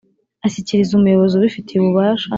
ashyikiriza umuyobozi ubifitiye ububasha